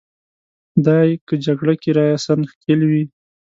دای که جګړه کې راساً ښکېل وي.